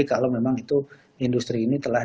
kalau memang itu industri ini telah